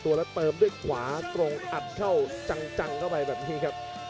แล้วเติมด้วยขวาตรงอัดเข้าจังเข้าไปแบบนี้ครับ